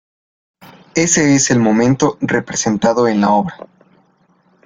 Ese es el momento representado en la obra.